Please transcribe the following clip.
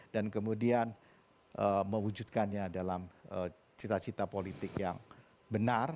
dan kemudian mewujudkannya dalam cita cita politik yang benar